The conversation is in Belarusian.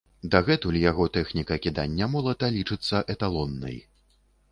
Дагэтуль яго тэхніка кідання молата лічыцца эталоннай.